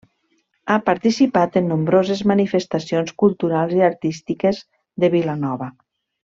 Ha participat en nombroses manifestacions culturals i artístiques de Vilanova.